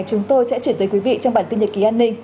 chúng tôi sẽ chuyển tới quý vị trong bản tin nhật ký an ninh